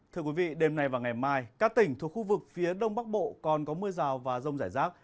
thưa quý vị đêm nay và ngày mai các tỉnh thuộc khu vực phía đông bắc bộ còn có mưa rào và rông rải rác